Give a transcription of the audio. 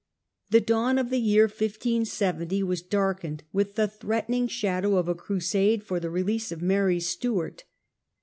The dawn of the year 1570 was darkened with the threaten ing shadow of a crusade for the rele^me of Mary Stuart.